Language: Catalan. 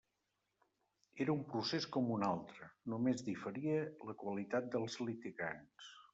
Era un procés com un altre; només diferia la qualitat dels litigants.